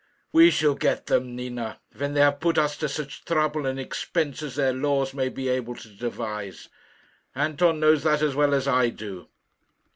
"We shall get them, Nina, when they have put us to such trouble and expense as their laws may be able to devise. Anton knows that as well as I do."